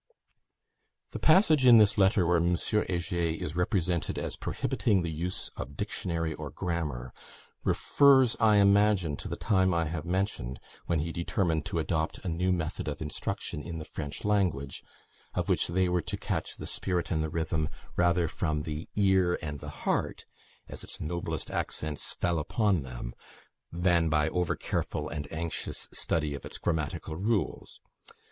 The passage in this letter where M. Heger is represented as prohibiting the use of dictionary or grammar, refers, I imagine, to the time I have mentioned, when he determined to adopt a new method of instruction in the French language, of which they were to catch the spirit and rhythm rather from the ear and the heart, as its noblest accents fell upon them, than by over careful and anxious study of its grammatical rules.